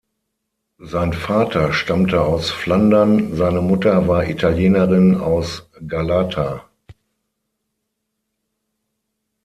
Sein Vater stammte aus Flandern, seine Mutter war Italienerin aus Galata.